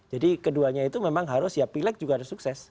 jadi keduanya itu memang harus ya pileg juga harus sukses